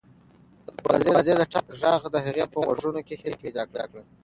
د دروازې د ټک غږ د هغې په غوږونو کې هیله پیدا کړه.